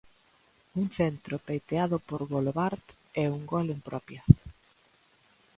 Un centro peiteado por Golobart e un gol en propia.